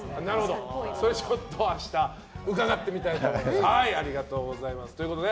それちょっと明日伺ってみたいと思います。